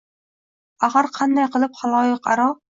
Axir, qanday qilib xaloyiq aro…